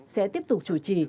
sẽ tiếp tục chủ trì